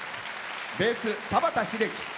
ベース、田畑秀樹。